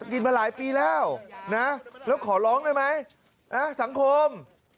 กินมาหลายปีแล้วนะแล้วขอร้องได้ไหมสังคม